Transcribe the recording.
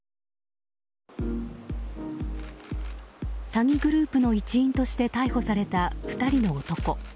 詐欺グループの一員として逮捕された２人の男。